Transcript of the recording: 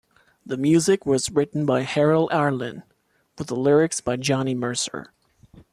The music was written by Harold Arlen, with the lyrics by Johnny Mercer.